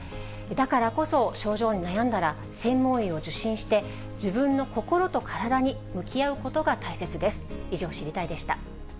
だからこそ症状に悩んだら、専門医を受診して、自分の心と体に向き合うことが大切です。